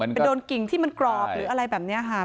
มันก็เป็นโดนกิ่งที่มันกรอบหรืออะไรแบบเนี้ยฮะ